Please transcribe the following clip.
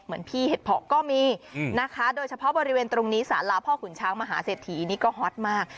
เหมือนพี่เห็ดเพาะก็มีนะคะโดยเฉพาะบริเวณตรงนี้สาราพ่อขุนช้างมหาเศรษฐีนี่ก็ฮอตมาก